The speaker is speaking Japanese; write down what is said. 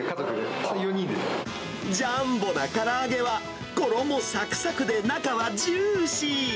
ジャンボなから揚げは、衣さくさくで中はジューシー。